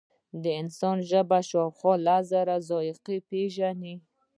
د انسان ژبه شاوخوا لس زره ذایقې پېژني.